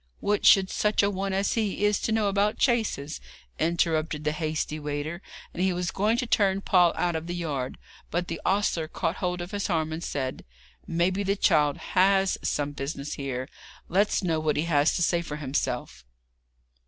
'What should such a one as he is know about chaises?' interrupted the hasty waiter, and he was going to turn Paul out of the yard; but the ostler caught hold of his arm, and said: 'Maybe the child has some business here; let's know what he has to say for himself.'